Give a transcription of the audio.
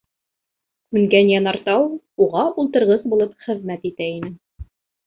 Һүнгән янартау уға ултырғыс булып хеҙмәт итә ине.